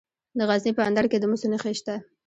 د غزني په اندړ کې د مسو نښې شته.